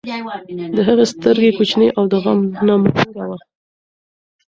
د هغې سترګې کوچنۍ او غنم رنګه وه.